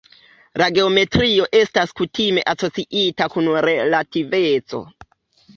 La geometrio estas kutime asociita kun relativeco.